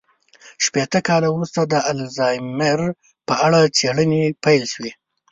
شپېته کاله وروسته د الزایمر په اړه څېړنې پيل شوې وې.